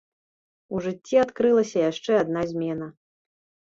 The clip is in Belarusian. У жыцці адкрылася яшчэ адна змена.